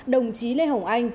đồng chí lê hồng anh